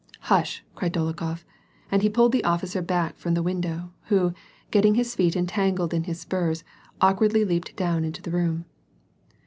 "Hush!" cried Dolokhof, and he pulled the officer back from the window, who, getting his feet entangled in his spurs, awkwardly leaped down into the room.